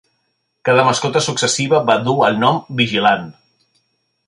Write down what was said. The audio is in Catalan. Cada mascota successiva va dur el nom Vigilant.